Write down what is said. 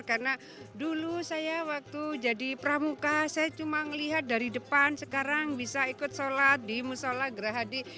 karena dulu saya waktu jadi pramuka saya cuma melihat dari depan sekarang bisa ikut sholat di musola gerahadi